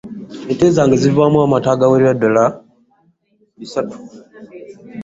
Ente zange zivamu amata agawerera ddala ebidomola bisatu.